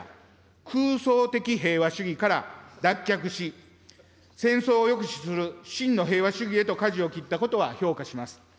空想的平和主義から脱却し、戦争を抑止する真の平和主義へとかじを切ったことは評価します。